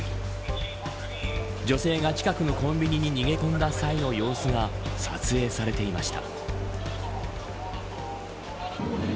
女性が近くのコンビニに逃げ込んだ際の様子が撮影されていました。